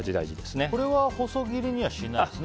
これは細切りにはしないんですね。